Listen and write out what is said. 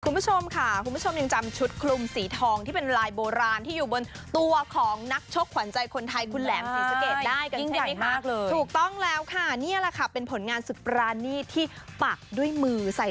คุณผู้ชมค่ะคุณผู้ชมยังจำชุดคลุมสีทองที่เป็นลายโบราณที่อยู่บนตัวของนักชกขวัญใจคนไทยคุณแหลมสีสเกรดได้